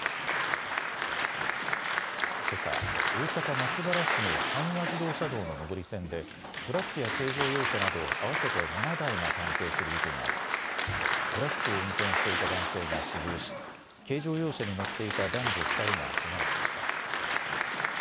けさ、大阪松原市の阪和自動車道の上り線でトラックや軽乗用車など合わせて７台が関係する事故がありトラックを運転していた男性が死亡し軽乗用車に乗っていた男女２人がけがをしました。